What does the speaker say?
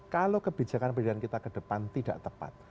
kalau kebijakan pendidikan kita ke depan tidak tepat